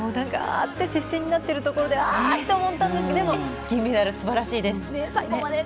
接戦になっているところであーっと思ったんですが銀メダル、すばらしいです。